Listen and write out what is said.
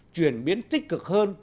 chuyển biến tích cực hơn